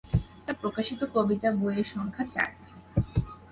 তাঁর প্রকাশিত কবিতার বইয়ের সংখ্যা চার।